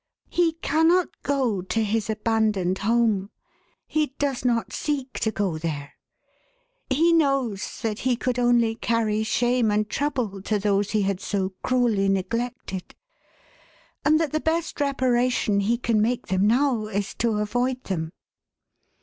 " He cannot go to his abandoned home. He does not seek to go there. He knows that he could only carry shame and trouble to those he had so cruelly neglected ; and that the best reparation he can make them now, is to avoid them.